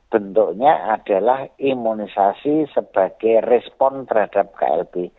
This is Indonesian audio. bentuknya adalah imunisasi sebagai respon terhadap klb